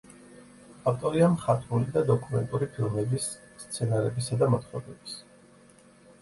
ავტორია მხატვრული და დოკუმენტური ფილმების სცენარებისა და მოთხრობების.